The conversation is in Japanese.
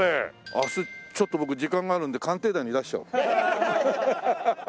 明日ちょっと僕時間があるんで『鑑定団』に出しちゃおう。